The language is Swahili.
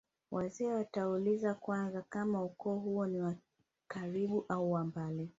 wazee wataulizia kwanza kama ukoo huo ni wa karibu au wa mbali